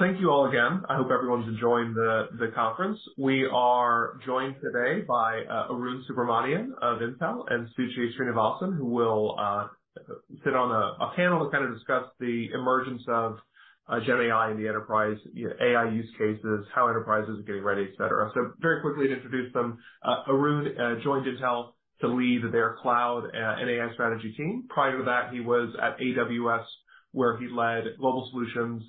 Well, thank you all again. I hope everyone's enjoying the conference. We are joined today by Arun Subramaniyan of Intel and Suchi Srinivasan, who will sit on a panel to kind of discuss the emergence of GenAI in the enterprise, AI use cases, how enterprises are getting ready, et cetera. So very quickly to introduce them, Arun joined Intel to lead their cloud and AI strategy team. Prior to that, he was at AWS, where he led global solutions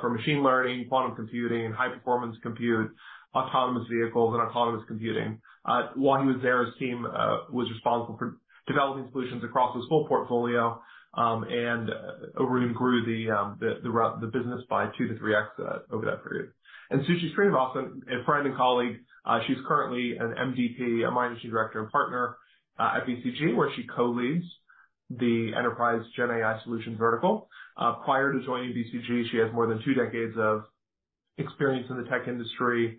for machine learning, quantum computing, high-performance compute, autonomous vehicles, and autonomous computing. While he was there, his team was responsible for developing solutions across his full portfolio. And Arun grew the business by 2-3x over that period. Suchi Srinivasan, a friend and colleague, she's currently an MDP, a managing director and partner, at BCG, where she co-leads the enterprise GenAI solutions vertical. Prior to joining BCG, she has more than two decades of experience in the tech industry,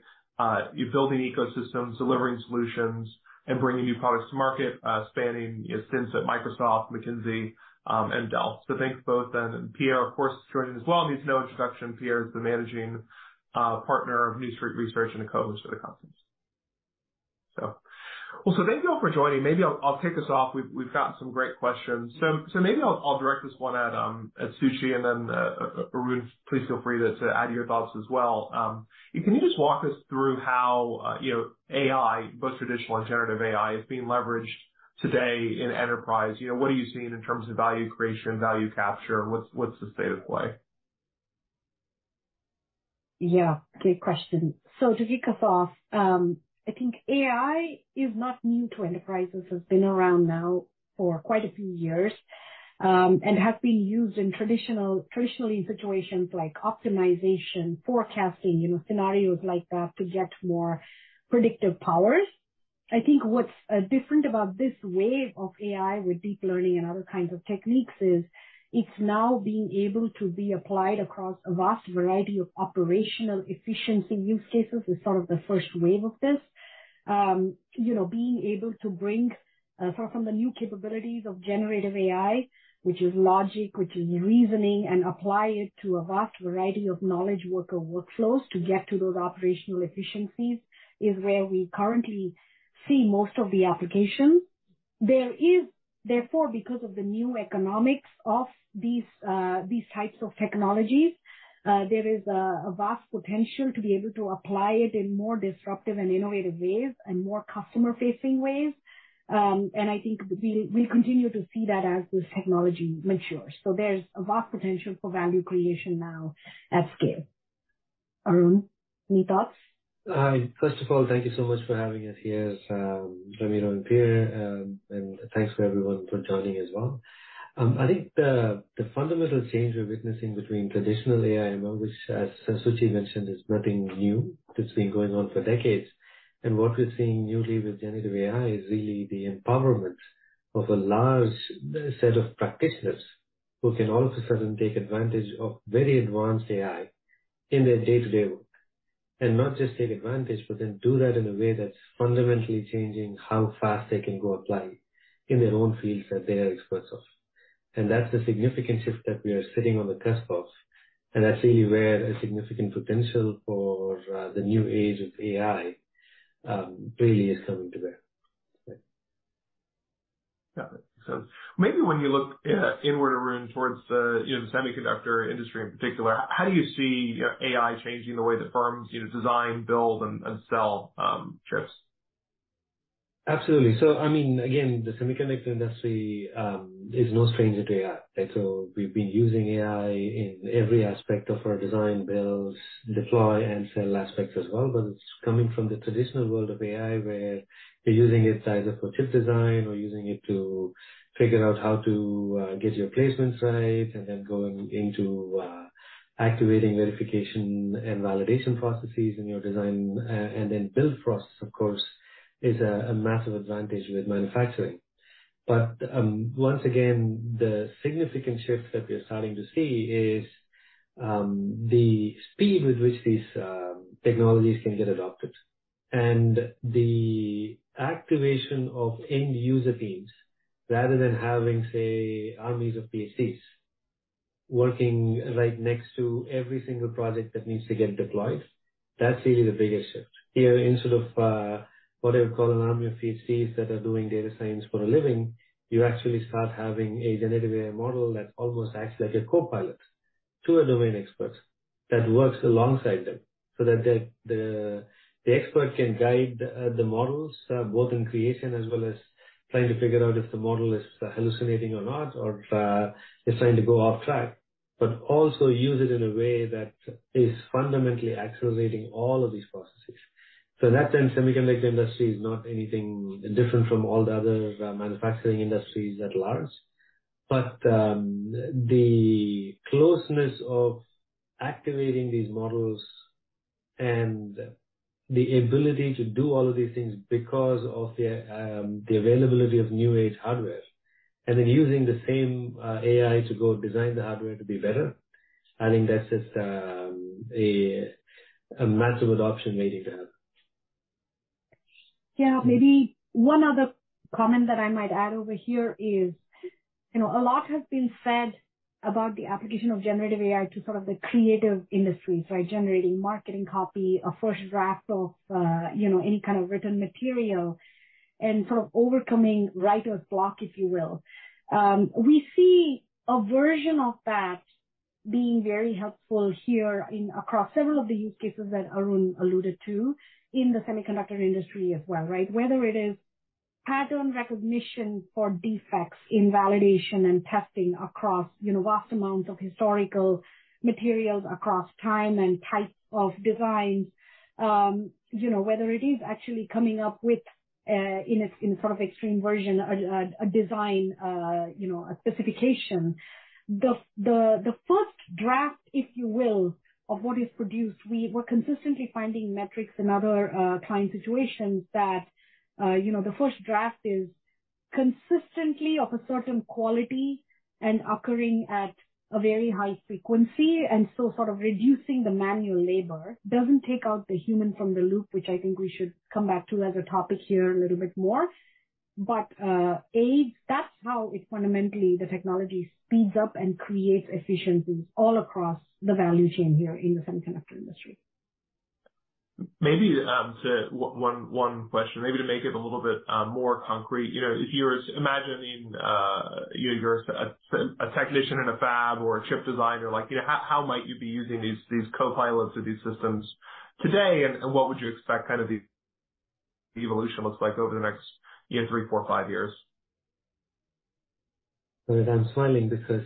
building ecosystems, delivering solutions, and bringing new products to market, spanning stints at Microsoft, McKinsey, and Dell. So thanks to both and Pierre, of course, joining as well. Needs no introduction. Pierre is the managing partner of New Street Research and a co-host for the conference. So thank you all for joining. Maybe I'll kick us off. We've gotten some great questions. So maybe I'll direct this one at Suchi and then Arun, please feel free to add your thoughts as well. Can you just walk us through how, you know, AI, both traditional and generative AI, is being leveraged today in enterprise? You know, what are you seeing in terms of value creation, value capture, and what's the state of play? Yeah, great question. So to kick us off, I think AI is not new to enterprises. It's been around now for quite a few years, and has been used traditionally in situations like optimization, forecasting, you know, scenarios like that to get more predictive powers. I think what's different about this wave of AI with deep learning and other kinds of techniques is it's now being able to be applied across a vast variety of operational efficiency use cases is sort of the first wave of this. You know, being able to bring from the new capabilities of generative AI, which is logic, which is reasoning, and apply it to a vast variety of knowledge worker workflows to get to those operational efficiencies, is where we currently see most of the application. There is therefore, because of the new economics of these types of technologies, there is a vast potential to be able to apply it in more disruptive and innovative ways and more customer-facing ways. And I think we'll continue to see that as this technology matures. So there's a vast potential for value creation now at scale. Arun, any thoughts? Hi. First of all, thank you so much for having us here, Ramiro and Pierre, and thanks to everyone for joining as well. I think the fundamental change we're witnessing between traditional AI, which, as Suchi mentioned, is nothing new, it's been going on for decades, and what we're seeing newly with generative AI, is really the empowerment of a large set of practitioners who can all of a sudden take advantage of very advanced AI in their day-to-day work. And not just take advantage, but then do that in a way that's fundamentally changing how fast they can go apply in their own fields that they are experts of. And that's the significant shift that we are sitting on the cusp of, and that's really where a significant potential for the new age of AI really is coming to bear. Got it. So maybe when you look inward, Arun, towards the, you know, the semiconductor industry in particular, how do you see, you know, AI changing the way that firms, you know, design, build and sell chips? Absolutely. So, I mean, again, the semiconductor industry is no stranger to AI. So we've been using AI in every aspect of our design, builds, deploy and sell aspects as well. But it's coming from the traditional world of AI, where you're using it either for chip design or using it to figure out how to get your placements right, and then going into activating verification and validation processes in your design. And then build process, of course, is a massive advantage with manufacturing. But, once again, the significant shift that we are starting to see is the speed with which these technologies can get adopted and the activation of end user teams, rather than having, say, armies of PhDs working right next to every single project that needs to get deployed. That's really the biggest shift. Here, instead of what I would call an army of PhDs that are doing data science for a living, you actually start having a generative AI model that almost acts like a copilot to a domain expert that works alongside them, so that the expert can guide the models both in creation as well as trying to figure out if the model is hallucinating or not, or if it's trying to go off track, but also use it in a way that is fundamentally accelerating all of these processes. So in that sense, semiconductor industry is not anything different from all the other manufacturing industries at large, but the closeness of activating these models and the ability to do all of these things because of the availability of new age hardware, and then using the same AI to go design the hardware to be better, I think that's just a massive adoption waiting to happen.... Yeah, maybe one other comment that I might add over here is, you know, a lot has been said about the application of generative AI to sort of the creative industry. So generating marketing copy, a first draft of, you know, any kind of written material and sort of overcoming writer's block, if you will. We see a version of that being very helpful here in across several of the use cases that Arun alluded to in the semiconductor industry as well, right? Whether it is pattern recognition for defects in validation and testing across, you know, vast amounts of historical materials across time and type of designs. You know, whether it is actually coming up with in a sort of extreme version, a design, you know, a specification. The first draft, if you will, of what is produced, we're consistently finding metrics in other client situations that you know, the first draft is consistently of a certain quality and occurring at a very high frequency, and so sort of reducing the manual labor. Doesn't take out the human from the loop, which I think we should come back to as a topic here a little bit more, but aids. That's how it fundamentally the technology speeds up and creates efficiencies all across the value chain here in the semiconductor industry. Maybe, to one question, maybe to make it a little bit more concrete. You know, if you're imagining, you know, you're a technician in a fab or a chip designer, like, you know, how might you be using these co-pilots or these systems today, and what would you expect kind of the evolution looks like over the next year, 3, 4, 5 years? Well, I'm smiling because,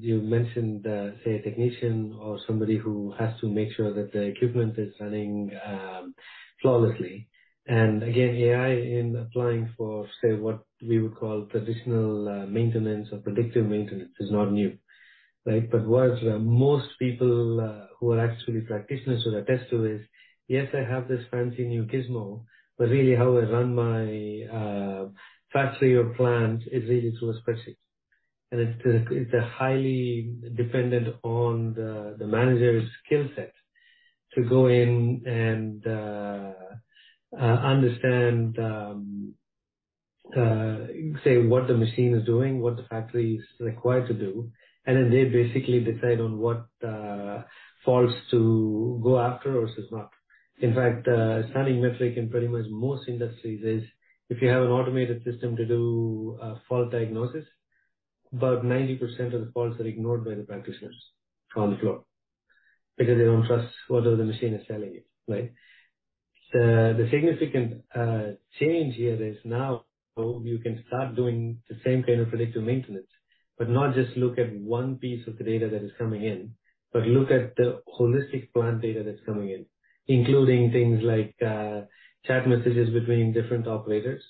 you mentioned, say, a technician or somebody who has to make sure that the equipment is running, flawlessly. And again, AI in applying for, say, what we would call traditional, maintenance or predictive maintenance is not new, right? But what, most people, who are actually practitioners would attest to is, yes, I have this fancy new gizmo, but really how I run my, factory or plant is really through a spreadsheet. And it's, it's a highly dependent on the, the manager's skill set to go in and, say, what the machine is doing, what the factory is required to do, and then they basically decide on what, faults to go after or not. In fact, standing metric in pretty much most industries is if you have an automated system to do fault diagnosis, about 90% of the faults are ignored by the practitioners on the floor because they don't trust whatever the machine is telling you, right? The significant change here is now you can start doing the same kind of predictive maintenance, but not just look at one piece of the data that is coming in, but look at the holistic plant data that's coming in, including things like chat messages between different operators,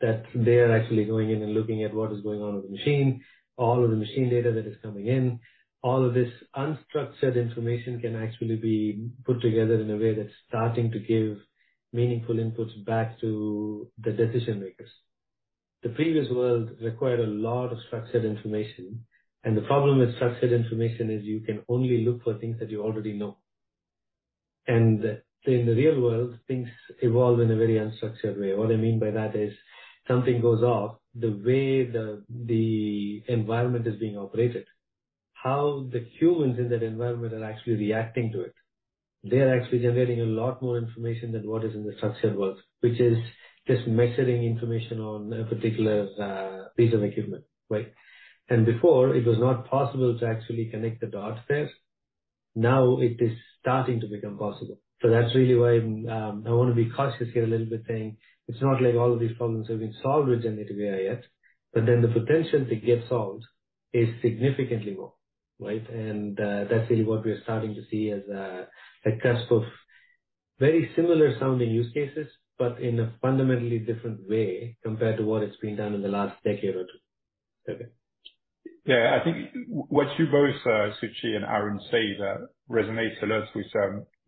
that they are actually going in and looking at what is going on with the machine. All of the machine data that is coming in, all of this unstructured information can actually be put together in a way that's starting to give meaningful inputs back to the decision makers. The previous world required a lot of structured information, and the problem with structured information is you can only look for things that you already know. In the real world, things evolve in a very unstructured way. What I mean by that is something goes off, the way the environment is being operated, how the humans in that environment are actually reacting to it. They are actually generating a lot more information than what is in the structured world, which is just measuring information on a particular piece of equipment, right? Before, it was not possible to actually connect the dots there. Now it is starting to become possible. So that's really why, I want to be cautious here a little bit, saying it's not like all of these problems have been solved with generative AI yet, but then the potential to get solved is significantly more, right? And, that's really what we're starting to see as, a cusp of very similar sounding use cases, but in a fundamentally different way compared to what it's been done in the last decade or two. Okay. Yeah. I think what you both, Suchi and Arun say, resonates a lot with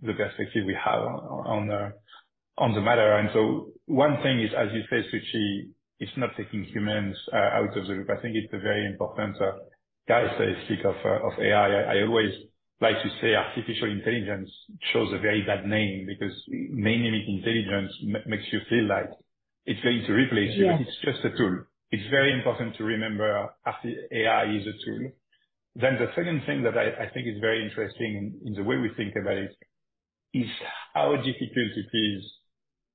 the perspective we have on the matter. So one thing is, as you say, Suchi, it's not taking humans out of the group. I think it's a very important point to say when we speak of AI. I always like to say artificial intelligence chose a very bad name because naming it intelligence makes you feel like it's going to replace you. Yeah. It's just a tool. It's very important to remember AI is a tool. Then the second thing that I think is very interesting in the way we think about it is how difficult it is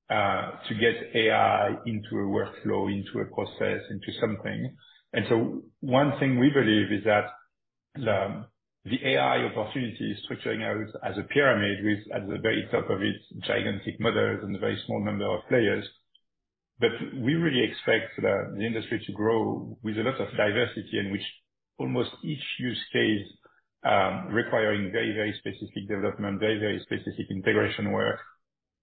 to get AI into a workflow, into a process, into something. And so one thing we believe is that the AI opportunity is structuring out as a pyramid with, at the very top of it, gigantic models and a very small number of players. But we really expect the industry to grow with a lot of diversity in which almost each use case requiring very, very specific development, very, very specific integration work.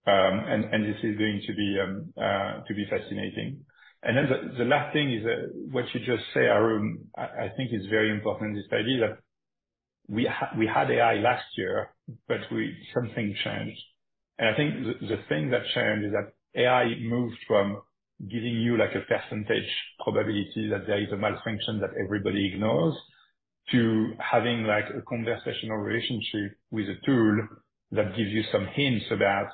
And this is going to be fascinating. And then the last thing is that what you just said, Arun, I think is very important, this idea that we had AI last year, but we... Something changed. And I think the thing that changed is that AI moved from giving you, like, a percentage probability that there is a malfunction that everybody ignores-... to having like a conversational relationship with a tool that gives you some hints about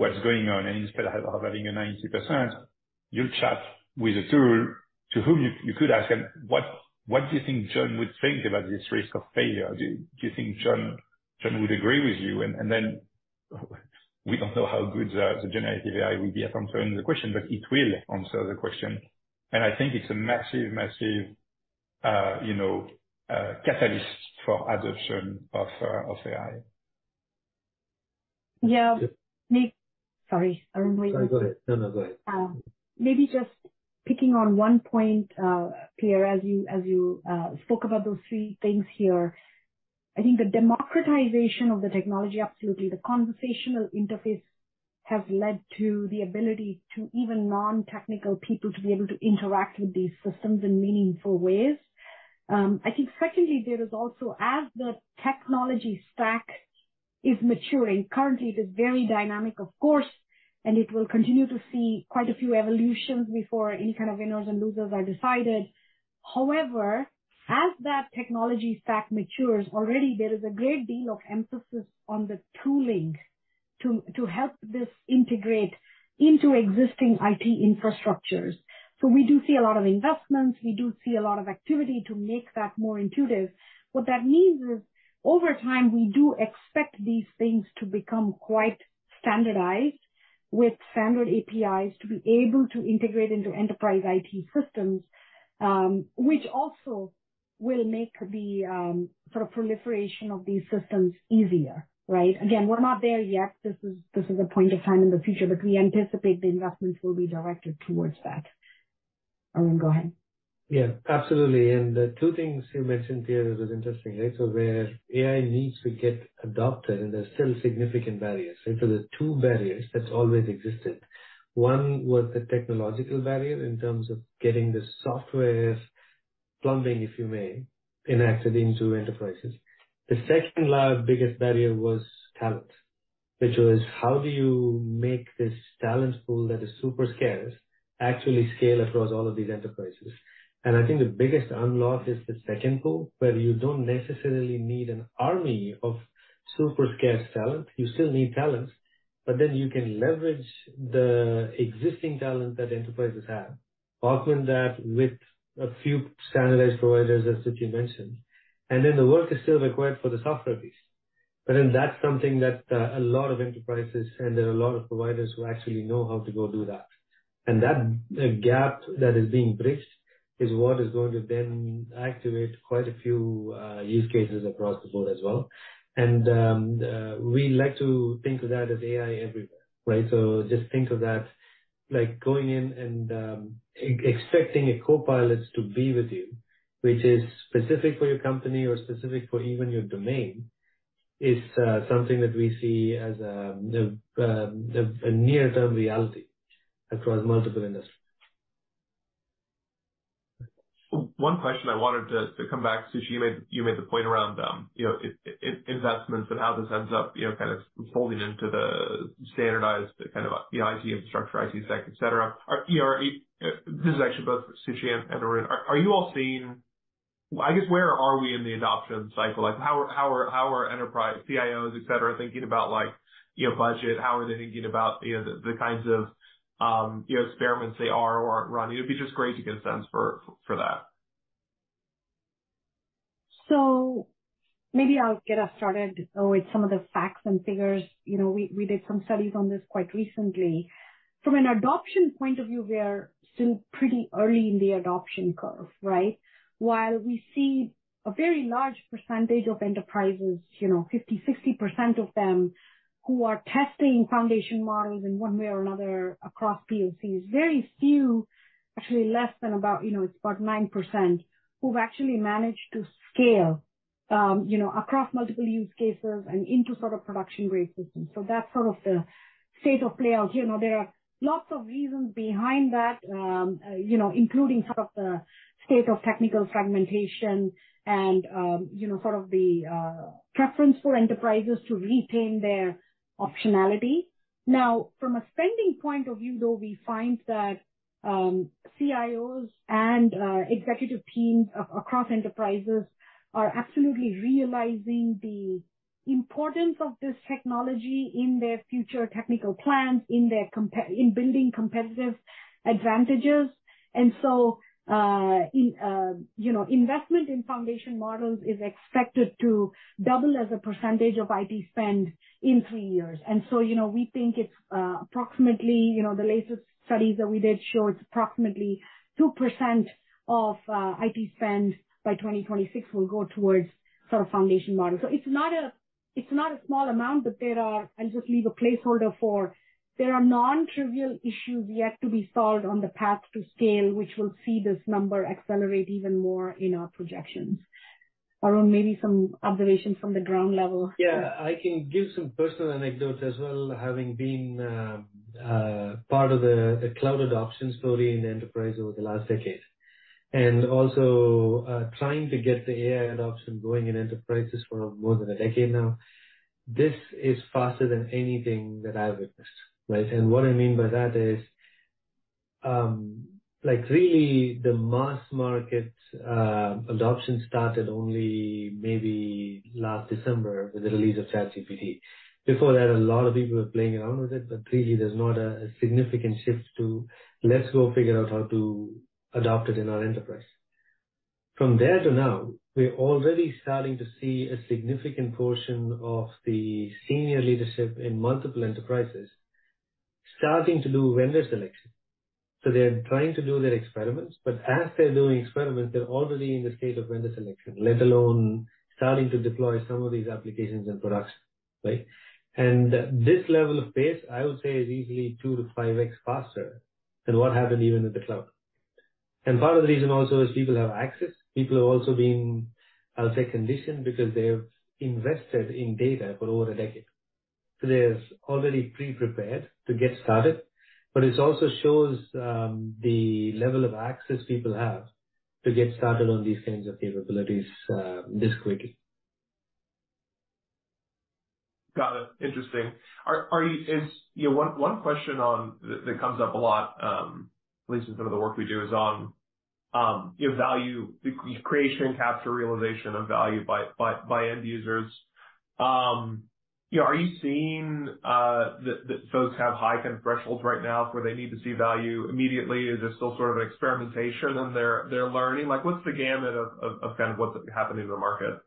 what's going on. And instead of having a 90%, you chat with a tool to whom you could ask, "And what do you think John would think about this risk of failure? Do you think John would agree with you?" And then we don't know how good the generative AI will be at answering the question, but it will answer the question. And I think it's a massive, massive, you know, catalyst for adoption of AI. Yeah. Sorry, Arun, go ahead. No, go ahead. Maybe just picking on one point, Pierre, as you spoke about those three things here. I think the democratization of the technology, absolutely, the conversational interface has led to the ability to even non-technical people to be able to interact with these systems in meaningful ways. I think secondly, there is also, as the technology stack is maturing, currently it is very dynamic, of course, and it will continue to see quite a few evolutions before any kind of winners and losers are decided. However, as that technology stack matures, already there is a great deal of emphasis on the tooling to help this integrate into existing IT infrastructures. So we do see a lot of investments. We do see a lot of activity to make that more intuitive. What that means is, over time, we do expect these things to become quite standardized with standard APIs to be able to integrate into enterprise IT systems, which also will make the sort of proliferation of these systems easier, right? Again, we're not there yet. This is, this is a point of time in the future, but we anticipate the investments will be directed towards that. Arun, go ahead. Yeah, absolutely. And the two things you mentioned, Pierre, was interesting, right? So where AI needs to get adopted, and there's still significant barriers. So there are two barriers that's always existed. One was the technological barrier in terms of getting the software plumbing, if you may, enacted into enterprises. The second largest biggest barrier was talent, which was how do you make this talent pool that is super scarce, actually scale across all of these enterprises? And I think the biggest unlock is the second pool, where you don't necessarily need an army of super scarce talent. You still need talent, but then you can leverage the existing talent that enterprises have, augment that with a few standardized providers, as Suchi mentioned, and then the work is still required for the software piece. But then that's something that a lot of enterprises and there are a lot of providers who actually know how to go do that. And that gap that is being bridged is what is going to then activate quite a few use cases across the board as well. And we like to think of that as AI everywhere, right? So just think of that like going in and expecting a copilot to be with you, which is specific for your company or specific for even your domain, is something that we see as a near-term reality across multiple industries. One question I wanted to come back. Suchi, you made the point around, you know, in investments and how this ends up, you know, kind of folding into the standardized, kind of the IT infrastructure, IT stack, et cetera. Are... This is actually both Suchi and Arun. Are you all seeing... I guess, where are we in the adoption cycle? Like, how are enterprise CIOs, et cetera, thinking about like, you know, budget? How are they thinking about, you know, the kinds of, you know, experiments they are or aren't running? It'd be just great to get a sense for that. So maybe I'll get us started with some of the facts and figures. You know, we did some studies on this quite recently. From an adoption point of view, we are still pretty early in the adoption curve, right? While we see a very large percentage of enterprises, you know, 50%-60% of them, who are testing foundation models in one way or another across POCs, very few, actually less than about, you know, it's about 9%, who've actually managed to scale, you know, across multiple use cases and into sort of production-grade systems. So that's sort of the state of play out. You know, there are lots of reasons behind that, you know, including sort of the state of technical fragmentation and, you know, sort of the preference for enterprises to retain their optionality. Now, from a spending point of view, though, we find that, CIOs and executive teams across enterprises are absolutely realizing the importance of this technology in their future technical plans, in their compe-- in building competitive advantages. And so, you know, investment in foundation models is expected to double as a percentage of IT spend in three years. And so, you know, we think it's approximately, you know, the latest studies that we did show it's approximately 2% of IT spend by 2026 will go towards sort of foundation models. So it's not a, it's not a small amount, but there are... I'll just leave a placeholder for, there are non-trivial issues yet to be solved on the path to scale, which will see this number accelerate even more in our projections. Arun, maybe some observations from the ground level. Yeah, I can give some personal anecdotes as well, having been part of the cloud adoption story in the enterprise over the last decade, and also trying to get the AI adoption going in enterprises for more than a decade now. This is faster than anything that I've witnessed, right? And what I mean by that is... Like really, the mass market adoption started only maybe last December with the release of ChatGPT. Before that, a lot of people were playing around with it, but really there's not a significant shift to let's go figure out how to adopt it in our enterprise. From there to now, we're already starting to see a significant portion of the senior leadership in multiple enterprises starting to do vendor selection. So they're trying to do their experiments, but as they're doing experiments, they're already in the state of vendor selection, let alone starting to deploy some of these applications and products, right? And this level of pace, I would say, is easily 2-5x faster than what happened even with the cloud. And part of the reason also is people have access. People have also been, I'll say, conditioned, because they've invested in data for over a decade. So there's already pre-prepared to get started, but it also shows, the level of access people have to get started on these kinds of capabilities, this quickly. Got it. Interesting. Are you... Is, you know, one question on that comes up a lot, at least in some of the work we do, is on, you know, value, the creation and capture realization of value by end users. Yeah, are you seeing that folks have high kind of thresholds right now where they need to see value immediately? Is there still sort of experimentation and they're learning? Like, what's the gamut of kind of what's happening in the market?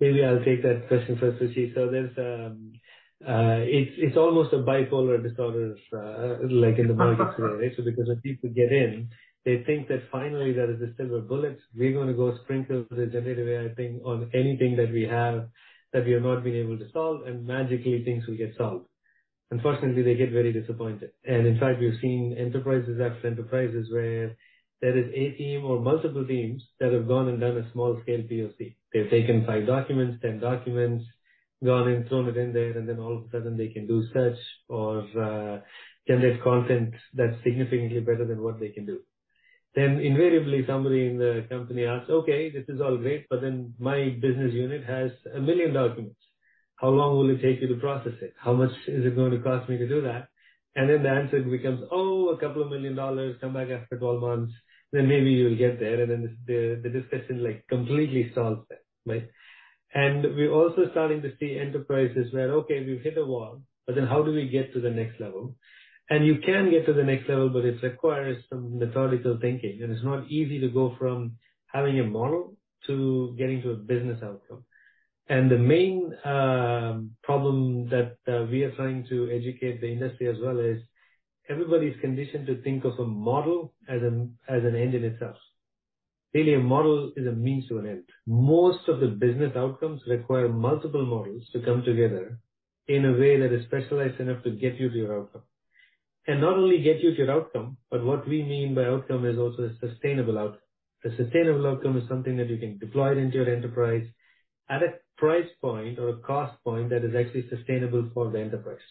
Maybe I'll take that question first, Suchi. So there's, it's almost a bipolar disorder like in the market today, right? So because when people get in, they think that finally there is a silver bullet. We're gonna go sprinkle the generative AI thing on anything that we have that we have not been able to solve, and magically things will get solved. Unfortunately, they get very disappointed. And in fact, we've seen enterprises after enterprises where there is a team or multiple teams that have gone and done a small scale POC. They've taken five documents, 10 documents, gone and thrown it in there, and then all of a sudden they can do search or generate content that's significantly better than what they can do. Then invariably, somebody in the company asks, "Okay, this is all great, but then my business unit has 1 million documents. How long will it take you to process it? How much is it going to cost me to do that?" And then the answer becomes, "Oh, $2 million. Come back after 12 months, then maybe you'll get there." And then the discussion, like, completely stalls there, right? And we're also starting to see enterprises where, okay, we've hit a wall, but then how do we get to the next level? And you can get to the next level, but it requires some methodical thinking. And it's not easy to go from having a model to getting to a business outcome. And the main problem that we are trying to educate the industry as well, is everybody's conditioned to think of a model as an end in itself. Really, a model is a means to an end. Most of the business outcomes require multiple models to come together in a way that is specialized enough to get you to your outcome. And not only get you to your outcome, but what we mean by outcome is also a sustainable outcome. A sustainable outcome is something that you can deploy into your enterprise at a price point or a cost point that is actually sustainable for the enterprise.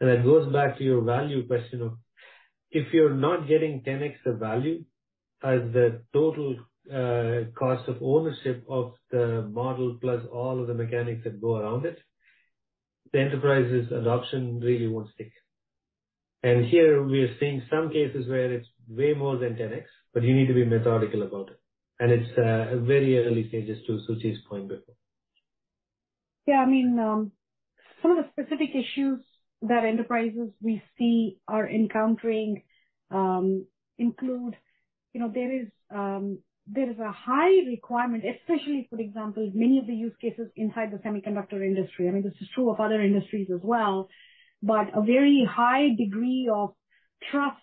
And that goes back to your value question of, if you're not getting 10x of value as the total cost of ownership of the model, plus all of the mechanics that go around it, the enterprise's adoption really won't stick. And here we are seeing some cases where it's way more than 10x, but you need to be methodical about it, and it's, very early stages to Suchi's point before. Yeah, I mean, some of the specific issues that enterprises we see are encountering include, you know, there is a high requirement, especially, for example, many of the use cases inside the semiconductor industry. I mean, this is true of other industries as well, but a very high degree of trust,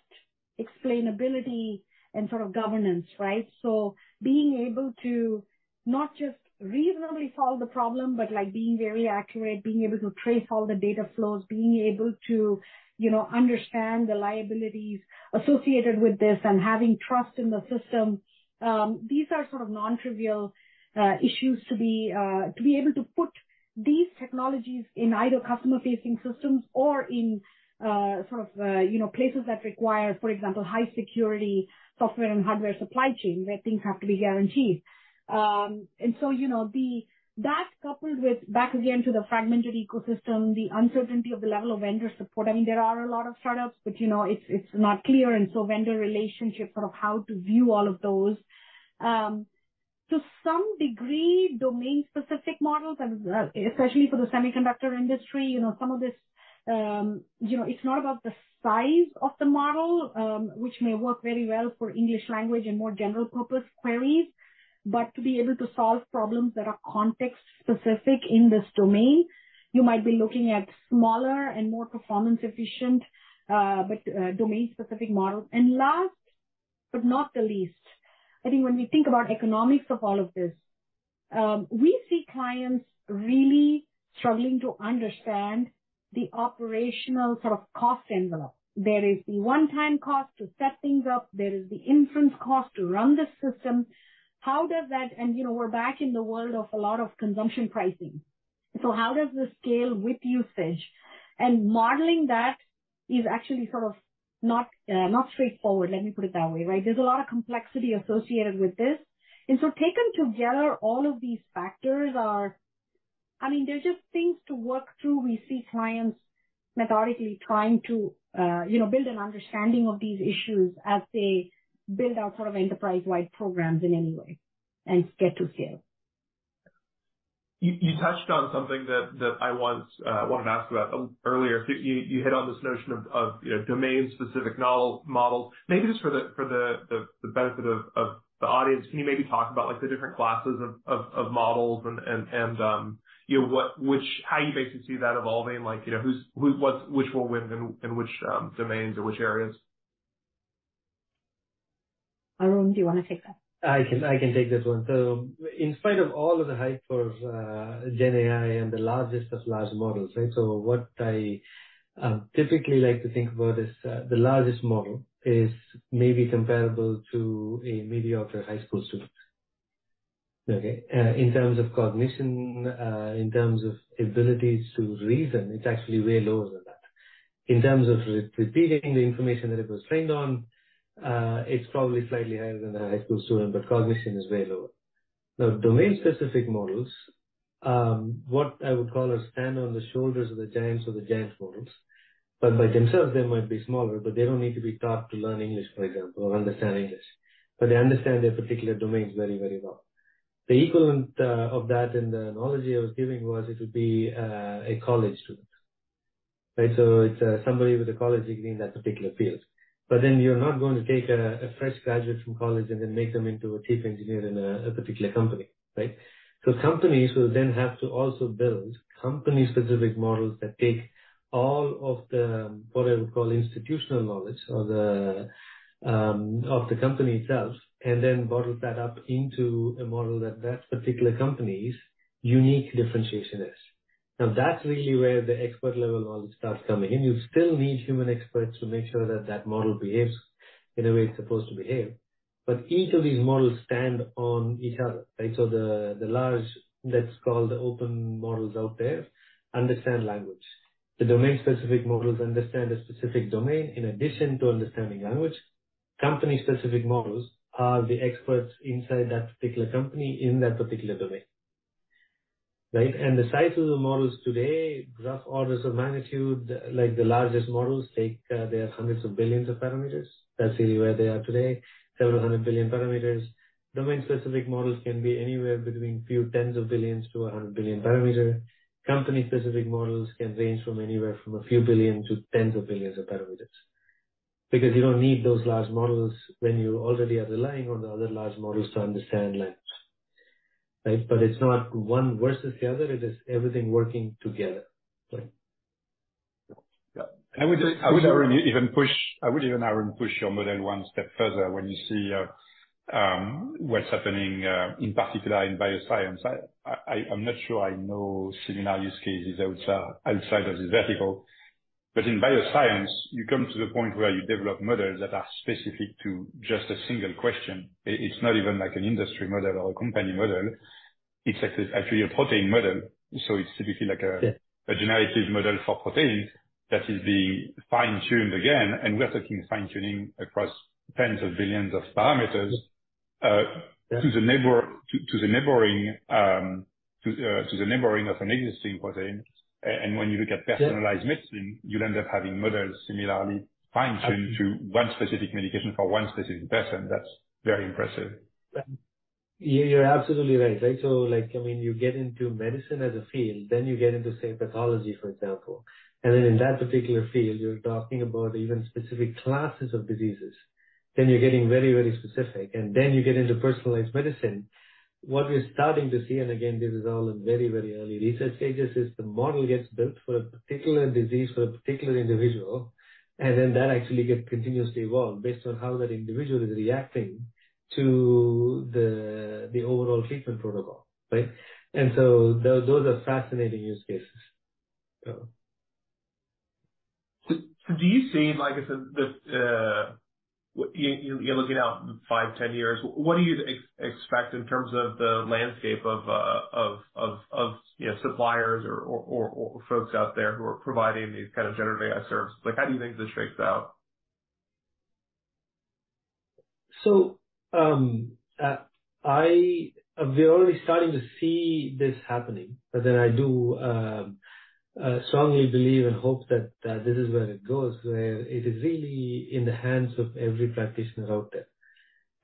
explainability, and sort of governance, right? So being able to not just reasonably solve the problem, but like, being very accurate, being able to trace all the data flows, being able to, you know, understand the liabilities associated with this and having trust in the system. These are sort of non-trivial issues to be able to put these technologies in either customer-facing systems or in, sort of, you know, places that require, for example, high security software and hardware supply chain, where things have to be guaranteed. And so, you know, the that coupled with back again to the fragmented ecosystem, the uncertainty of the level of vendor support. I mean, there are a lot of startups, but, you know, it's not clear, and so vendor relationships, sort of how to view all of those. To some degree, domain-specific models, especially for the semiconductor industry, you know, some of this, you know, it's not about the size of the model, which may work very well for English language and more general purpose queries. But to be able to solve problems that are context specific in this domain, you might be looking at smaller and more performance-efficient, but domain-specific models. And last but not the least, I think when we think about economics of all of this, we see clients really struggling to understand the operational sort of cost envelope. There is the one-time cost to set things up. There is the inference cost to run the system. How does that? And you know, we're back in the world of a lot of consumption pricing. So how does this scale with usage? And modeling that is actually sort of not, not straightforward, let me put it that way, right? There's a lot of complexity associated with this. And so taken together, all of these factors are... I mean, there's just things to work through. We see clients methodically trying to, you know, build an understanding of these issues as they build out sort of enterprise-wide programs in any way and get to scale. You touched on something that I wanted to ask about earlier. So you hit on this notion of, you know, domain-specific model, models. Maybe just for the benefit of the audience, can you maybe talk about, like, the different classes of models and, you know, what—which, how you basically see that evolving? Like, you know, who, what, which will win in which domains or which areas? Arun, do you wanna take that? I can, I can take this one. So in spite of all of the hype for GenAI and the largest of large models, right? So what I typically like to think about is the largest model is maybe comparable to a mediocre high school student. Okay, in terms of cognition, in terms of ability to reason, it's actually way lower than that. In terms of repeating the information that it was trained on, it's probably slightly higher than a high school student, but cognition is way lower. Now, domain-specific models, what I would call a stand on the shoulders of the giants are the giant models, but by themselves they might be smaller, but they don't need to be taught to learn English, for example, or understand English, but they understand their particular domains very, very well. The equivalent of that in the analogy I was giving was it would be a college student, right? So it's somebody with a college degree in that particular field. But then you're not going to take a fresh graduate from college and then make them into a chief engineer in a particular company, right? So companies will then have to also build company-specific models that take all of the, what I would call, institutional knowledge or the of the company itself, and then bottle that up into a model that particular company's unique differentiation is. Now, that's really where the expert-level knowledge starts coming in. You still need human experts to make sure that model behaves in a way it's supposed to behave, but each of these models stand on each other, right? So the large, let's call the open models out there, understand language. The domain-specific models understand a specific domain in addition to understanding language. Company-specific models are the experts inside that particular company, in that particular domain. Right, and the size of the models today, rough orders of magnitude, like the largest models, take, they are hundreds of billions of parameters. That's really where they are today, several hundred billion parameters. Domain-specific models can be anywhere between a few tens of billions to 100 billion parameters. Company-specific models can range from anywhere from a few billion to tens of billions of parameters. Because you don't need those large models when you already are relying on the other large models to understand language, right? But it's not one versus the other, it is everything working together, right? Yeah. I would even push, Arun, your model one step further. When you see what's happening in particular in bioscience, I'm not sure I know similar use cases outside of this vertical, but in bioscience, you come to the point where you develop models that are specific to just a single question. It's not even like an industry model or a company model; it's like actually a- Yeah. A generative model for proteins that is being fine-tuned again, and we are talking fine-tuning across tens of billions of parameters. Yeah. -to the neighboring of an existing protein. And when you look at- Yeah. Personalized medicine, you'll end up having models similarly fine-tuned to one specific medication for one specific person. That's very impressive. Yeah, you're absolutely right. Right, so, like, I mean, you get into medicine as a field, then you get into, say, pathology, for example. And then in that particular field, you're talking about even specific classes of diseases, then you're getting very, very specific, and then you get into personalized medicine. What we're starting to see, and again, this is all in very, very early research stages, is the model gets built for a particular disease, for a particular individual, and then that actually gets continuously evolved based on how that individual is reacting to the, the overall treatment protocol, right? And so those are fascinating use cases, so. So do you see, like I said, you're looking out five, 10 years, what do you expect in terms of the landscape of you know, suppliers or folks out there who are providing these kind of generative AI services? Like, how do you think this shakes out? So, we're only starting to see this happening, but then I do strongly believe and hope that this is where it goes, where it is really in the hands of every practitioner out there.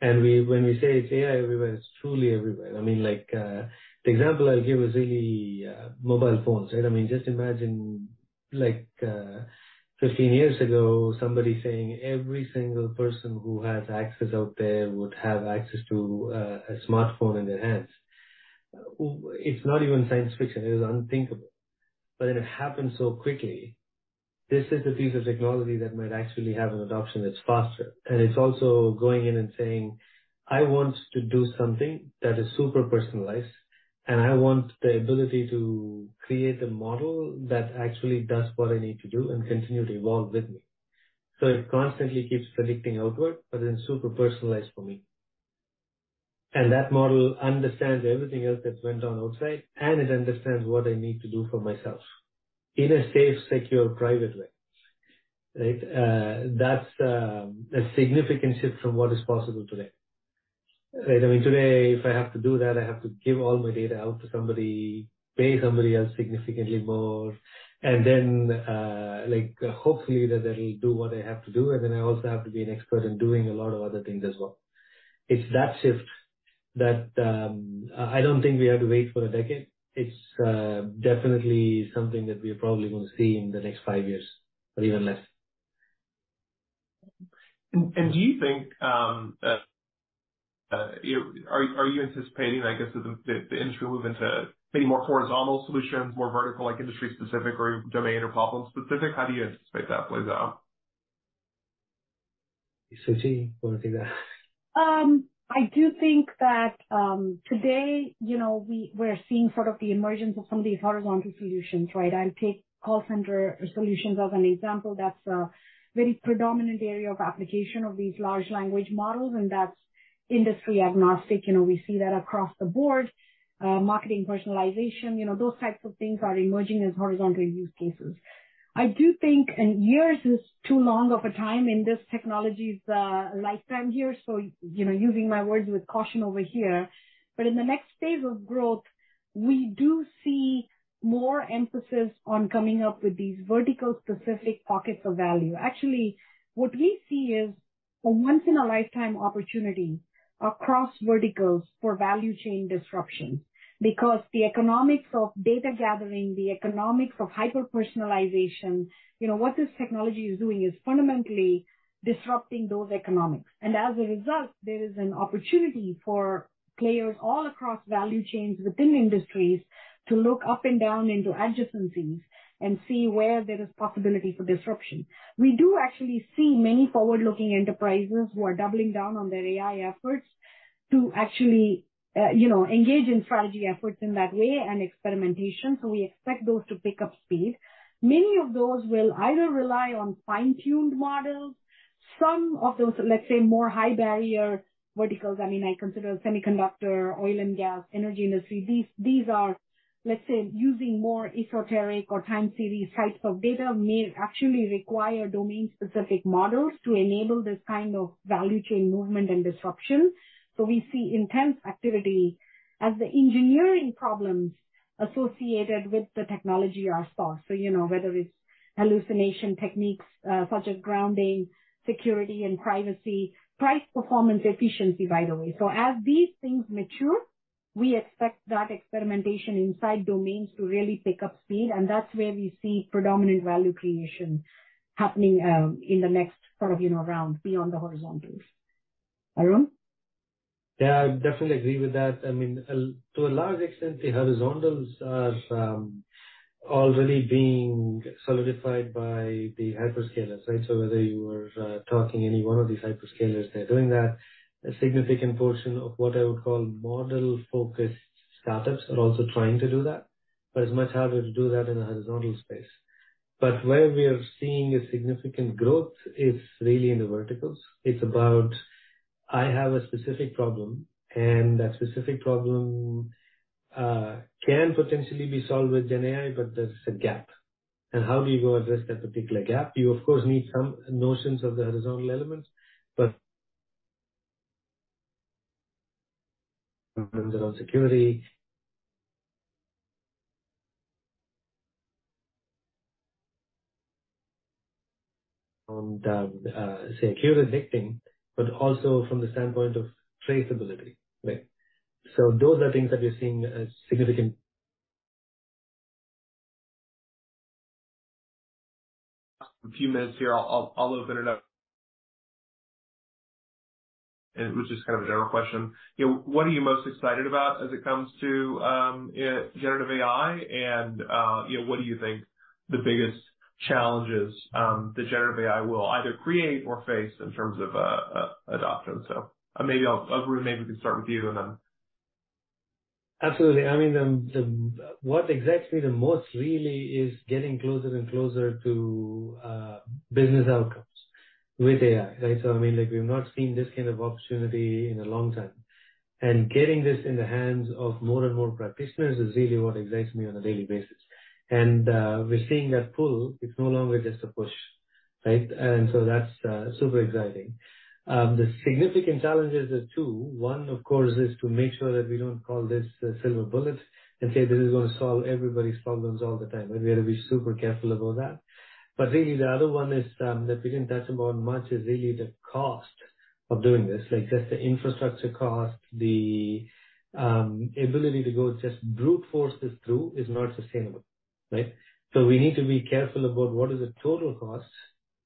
And when we say it's AI everywhere, it's truly everywhere. I mean, like, the example I'll give is really mobile phones, right? I mean, just imagine, like, 15 years ago, somebody saying every single person who has access out there would have access to a smartphone in their hands. It's not even science fiction, it was unthinkable, but it happened so quickly. This is a piece of technology that might actually have an adoption that's faster, and it's also going in and saying, "I want to do something that is super personalized, and I want the ability to create a model that actually does what I need to do and continue to evolve with me." So it constantly keeps predicting outward, but then super personalized for me. And that model understands everything else that went on outside, and it understands what I need to do for myself in a safe, secure, private way, right? That's a significant shift from what is possible today. Right. I mean, today, if I have to do that, I have to give all my data out to somebody, pay somebody else significantly more, and then, like, hopefully that they'll do what I have to do, and then I also have to be an expert in doing a lot of other things as well. It's that shift that, I, I don't think we have to wait for a decade. It's, definitely something that we're probably going to see in the next five years or even less. Do you think, are you anticipating, I guess, the industry moving to maybe more horizontal solutions, more vertical, like industry-specific or domain or problem-specific? How do you anticipate that plays out? Suchi, you wanna take that? I do think that, today, you know, we're seeing sort of the emergence of some of these horizontal solutions, right? I'll take call center solutions as an example. That's a very predominant area of application of these large language models, and that's industry agnostic. You know, we see that across the board. Marketing personalization, you know, those types of things are emerging as horizontal use cases. I do think, and years is too long of a time in this technology's lifetime here, so, you know, using my words with caution over here. But in the next phase of growth, we do see more emphasis on coming up with these vertical specific pockets of value. Actually, what we see is a once in a lifetime opportunity across verticals for value chain disruption. Because the economics of data gathering, the economics of hyper-personalization, you know, what this technology is doing is fundamentally disrupting those economics. As a result, there is an opportunity for players all across value chains within industries to look up and down into adjacencies and see where there is possibility for disruption. We do actually see many forward-looking enterprises who are doubling down on their AI efforts to actually, you know, engage in strategy efforts in that way and experimentation, so we expect those to pick up speed. Many of those will either rely on fine-tuned models. Some of those, let's say, more high barrier verticals, I mean, I consider semiconductor, oil and gas, energy industry. These are, let's say, using more esoteric or time series types of data, may actually require domain-specific models to enable this kind of value chain movement and disruption. So we see intense activity as the engineering problems associated with the technology are solved. So, you know, whether it's hallucination techniques, such as grounding, security and privacy, price, performance, efficiency, by the way. So as these things mature, we expect that experimentation inside domains to really pick up speed, and that's where we see predominant value creation happening, in the next sort of, you know, round beyond the horizontals. Arun? Yeah, I definitely agree with that. I mean, to a large extent, the horizontals are already being solidified by the hyperscalers, right? So whether you are talking any one of these hyperscalers, they're doing that. A significant portion of what I would call model-focused startups are also trying to do that, but it's much harder to do that in a horizontal space. But where we are seeing a significant growth is really in the verticals. It's about, I have a specific problem, and that specific problem can potentially be solved with gen AI, but there's a gap. And how do you go address that particular gap? You, of course, need some notions of the horizontal elements, but around security, and say, accurate predicting, but also from the standpoint of traceability, right? So those are things that we're seeing a significant- A few minutes here. I'll open it up. And it was just kind of a general question. You know, what are you most excited about as it comes to generative AI? And you know, what do you think the biggest challenges the generative AI will either create or face in terms of adoption? So maybe I'll, Arun, maybe we can start with you, and then- Absolutely. I mean, the what excites me the most really is getting closer and closer to business outcomes with AI, right? So, I mean, like, we've not seen this kind of opportunity in a long time. And getting this in the hands of more and more practitioners is really what excites me on a daily basis. And we're seeing that pull, it's no longer just a push, right? And so that's super exciting. The significant challenges are two. One, of course, is to make sure that we don't call this a silver bullet and say, this is gonna solve everybody's problems all the time. We've got to be super careful about that. But really, the other one is, that we didn't touch upon much, is really the cost of doing this, like, just the infrastructure cost, the, ability to go just brute force this through is not sustainable, right? So we need to be careful about what is the total cost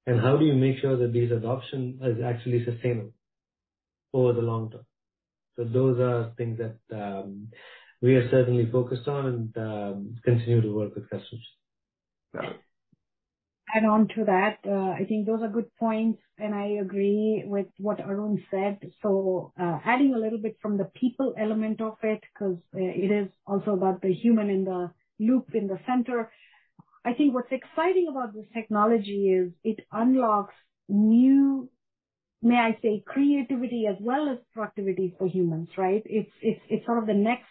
and how do you make sure that this adoption is actually sustainable over the long term. So those are things that, we are certainly focused on and, continue to work with customers. Add on to that, I think those are good points, and I agree with what Arun said. So, adding a little bit from the people element of it, 'cause, it is also about the human in the loop, in the center. I think what's exciting about this technology is it unlocks new, may I say, creativity as well as productivity for humans, right? It's sort of the next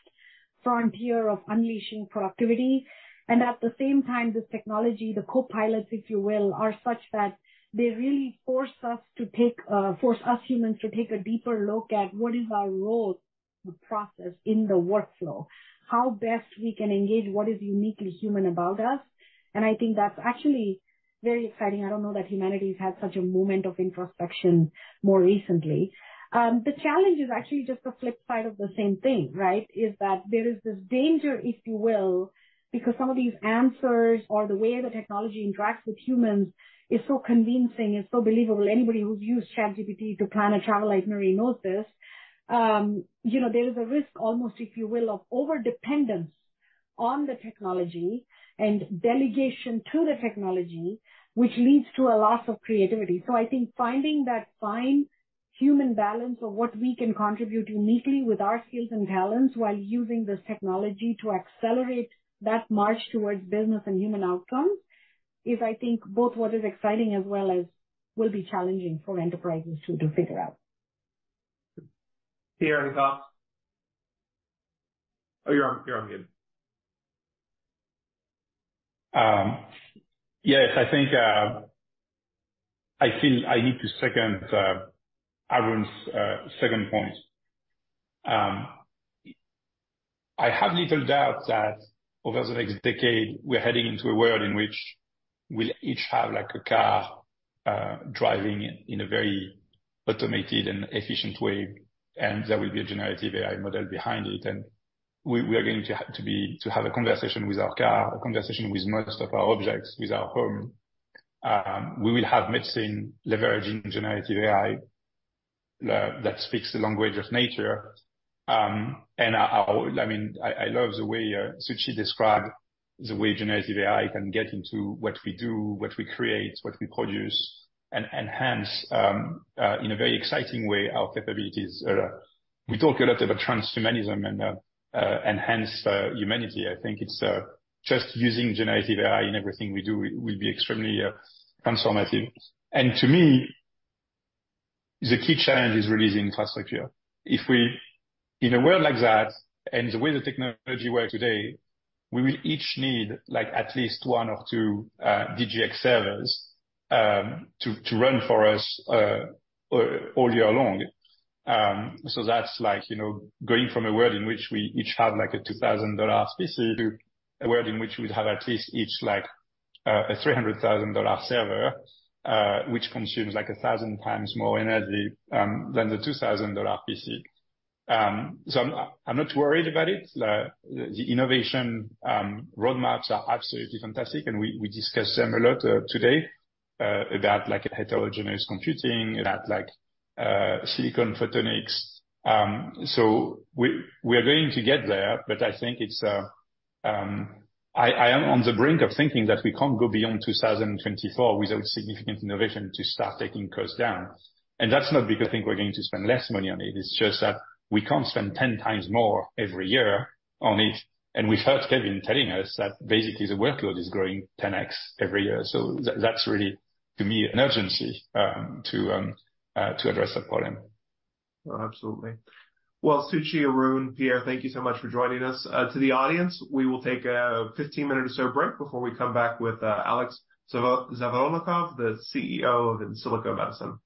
frontier of unleashing productivity. And at the same time, this technology, the copilots, if you will, are such that they really force us to take, force us humans to take a deeper look at what is our role, the process in the workflow, how best we can engage, what is uniquely human about us. And I think that's actually very exciting. I don't know that humanity's had such a moment of introspection more recently. The challenge is actually just the flip side of the same thing, right? That is, there is this danger, if you will, because some of these answers or the way the technology interacts with humans is so convincing and so believable. Anybody who's used ChatGPT to plan a travel, like Marie knows this. You know, there is a risk almost, if you will, of overdependence on the technology and delegation to the technology, which leads to a loss of creativity. So I think finding that fine human balance of what we can contribute uniquely with our skills and talents while using this technology to accelerate that march towards business and human outcomes is, I think, both what is exciting as well as will be challenging for enterprises to figure out. Pierre, your thoughts? Oh, you're on, you're on mute. Yes. I think I feel I need to second Arun's second point. I have little doubt that over the next decade, we're heading into a world in which we'll each have, like, a car driving in a very automated and efficient way, and there will be a generative AI model behind it. And we are going to have a conversation with our car, a conversation with most of our objects, with our home. We will have medicine leveraging generative AI that speaks the language of nature. And I mean, I love the way Suchi described the way generative AI can get into what we do, what we create, what we produce, and enhance in a very exciting way our capabilities. We talk a lot about transhumanism and enhanced humanity. I think it's just using generative AI in everything we do will be extremely transformative. To me, the key challenge is really the infrastructure. If we... In a world like that, and the way the technology work today, we will each need, like, at least 1 or 2 DGX servers to run for us all year long. So that's like, you know, going from a world in which we each have, like, a $2,000 PC, to a world in which we'd have at least each like a $300,000 server, which consumes like 1,000 times more energy than the $2,000 PC. So I'm not worried about it. The innovation roadmaps are absolutely fantastic, and we discussed them a lot today about, like, heterogeneous computing, about like, silicon photonics. So we are going to get there, but I think it's. I am on the brink of thinking that we can't go beyond 2024 without significant innovation to start taking costs down. And that's not because I think we're going to spend less money on it, it's just that we can't spend 10 times more every year on it. And we've heard Kevin telling us that basically the workload is growing 10X every year. So that's really, to me, an urgency to address that problem. Absolutely. Well, Suchi, Arun, Pierre, thank you so much for joining us. To the audience, we will take a 15-minute or so break before we come back with Alex Zhavoronkov, the CEO of Insilico Medicine.